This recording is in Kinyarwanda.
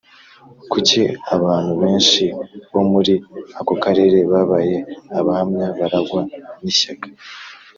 Kuki abantu benshi bo muri ako karere babaye Abahamya barangwa n ishyaka